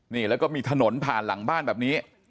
นี่แล้วก็มีถนนผ่านหลังบ้านแบบนี้